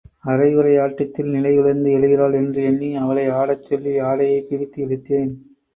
அரைகுறை ஆட்டத்தில் நிலைகுலைந்து எழுகிறாள் என்று எண்ணி அவளை ஆடச் சொல்லி ஆடையைப் பிடித்து இழுத்தேன்.